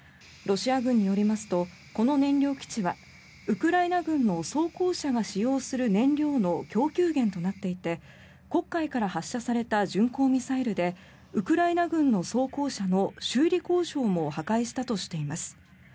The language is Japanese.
ロシア軍によりますとこの燃料基地はウクライナ軍の装甲車が使用する燃料の供給源となっていて黒海から発射された巡航ミサイルでウクライナ軍の装甲車の修理工場も破壊したとしています。